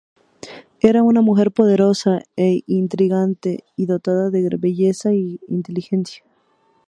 Era una mujer poderosa e intrigante y dotada de gran belleza e inteligencia.